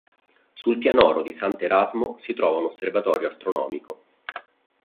Sul pianoro di S. Erasmo si trova un osservatorio astronomico.